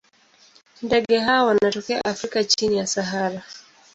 Ndege hawa wanatokea Afrika chini ya Sahara.